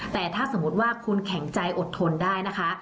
แต่ถ้าสมมุติว่าคุณแข็งใจอดทนได้นะคะ